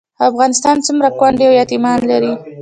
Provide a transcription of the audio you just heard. افغانستان څومره کونډې او یتیمان لري؟